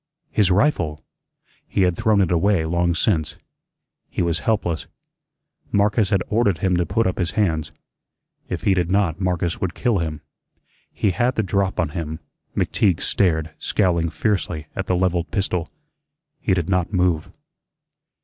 His rifle! He had thrown it away long since. He was helpless. Marcus had ordered him to put up his hands. If he did not, Marcus would kill him. He had the drop on him. McTeague stared, scowling fiercely at the levelled pistol. He did not move.